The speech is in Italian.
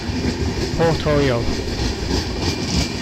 Port Royal